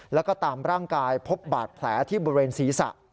แล้วก็ตามร่างกายพบบาดแผลที่บริเวณศีรษะ